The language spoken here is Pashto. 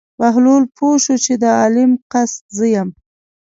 بهلول پوه شو چې د عالم قصد زه یم.